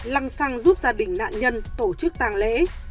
lăng xăng giúp gia đình nạn nhân tổ chức tàng lễ